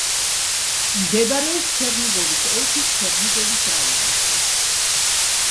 მდებარეობს ჩერნიგოვის ოლქის ჩერნიგოვის რაიონში.